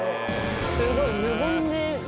すごい。